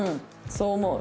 そう思う。